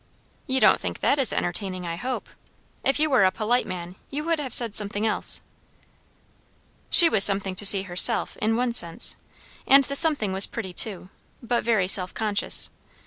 "You don't think that is entertaining, I hope? If you were a polite man, you would have said something else." She was something to see herself, in one sense, and the something was pretty, too; but very self conscious.